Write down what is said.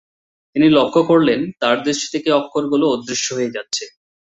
তিনি লক্ষ্য করলেন, তার দৃষ্টি থেকে অক্ষরগুলো অদৃশ্য হয়ে যাচ্ছে।